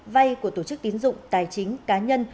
vay của tổ chức tín dụng tài chính cá nhân